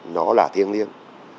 nó là thiêng liêng